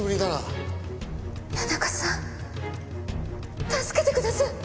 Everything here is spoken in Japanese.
谷中さん助けてください！